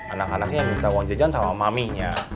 anak anaknya minta uang jajan sama maminya